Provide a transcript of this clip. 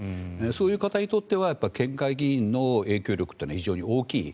そういう方にとっては県議会議員の影響力というのは非常に大きい。